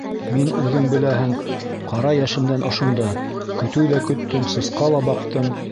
Мин, үҙең беләһең, ҡара йәшемдән ошонда: көтөү ҙә көттөм, сусҡа ла баҡтым.